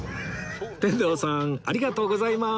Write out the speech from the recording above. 天童さんありがとうございます